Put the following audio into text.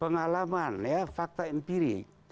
pengalaman ya fakta empirik